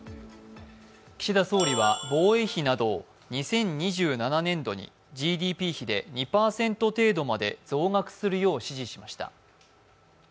岸田総理は防衛費などを２０２７年度にＧＤＰ比で２％程度まで増額するよう指示しました。